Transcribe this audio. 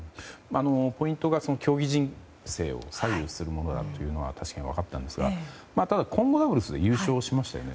ポイントが競技人生を左右するものだというのは確かに分かったんですが混合ダブルスに優勝しましたよね。